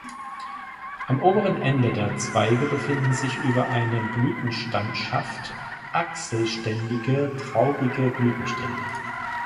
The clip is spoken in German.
Am oberen Ende der Zweige befinden sich über einem Blütenstandsschaft achselständige, traubige Blütenstände.